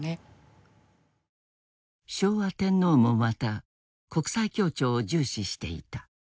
昭和天皇もまた国際協調を重視していた。